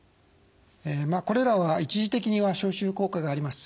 これらは一時的には消臭効果があります。